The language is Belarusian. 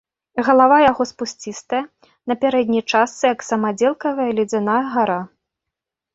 Галава яго спусцістая, на пярэдняй частцы як самадзелкавая ледзяная гара.